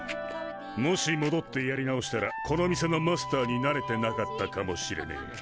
もしもどってやり直したらこの店のマスターになれてなかったかもしれねえ。